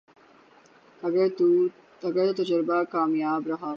اگر تو تجربہ کامیاب رہا